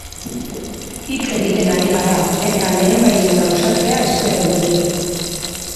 Hitz egiten ari gara eta lehenbailehen gauzatzea espero dut.